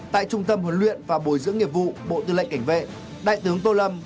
tại trung tâm huấn luyện và bồi dưỡng nghiệp vụ bộ tư lệnh cảnh vệ đại tướng tô lâm